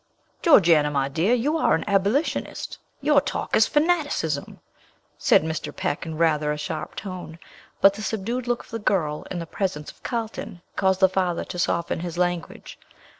"Georgiana, my dear, you are an abolitionist; your talk is fanaticism," said Mr. Peck in rather a sharp tone; but the subdued look of the girl, and the presence of Carlton, caused the father to soften his language.